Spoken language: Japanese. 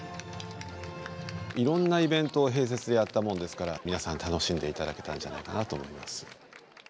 いろんなイベントを併設でやったもんですから皆さん楽しんでいただけたんじゃないかなと思います。